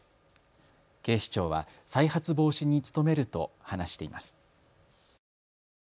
警視庁は再発防止に努めると話しています。